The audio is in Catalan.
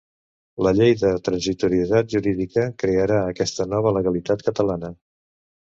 La llei de transitorietat jurídica crearà aquesta nova legalitat catalana.